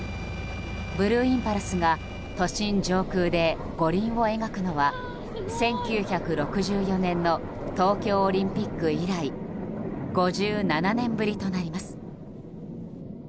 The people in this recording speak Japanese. ブルーインパルスが都心上空で五輪を描くのは１９６４年の東京オリンピック以来５７年ぶりとなります。